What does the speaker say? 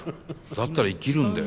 だったら生きるんだよ。